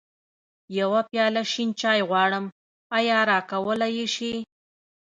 يوه پياله شين چای غواړم، ايا راکولی يې شې؟